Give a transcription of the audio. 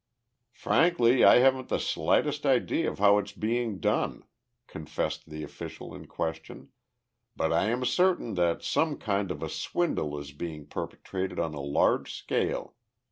"Frankly, I haven't the slightest idea of how it's being done," confessed the official in question. "But I am certain that some kind of a swindle is being perpetrated on a large scale.